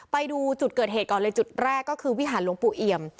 ไปดูจุดเกิดเหตุก่อนเลยจุดแรกก็คือวิหารหลวงปู่เอี่ยม